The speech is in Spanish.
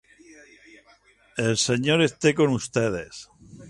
El Señor esté con ustedes.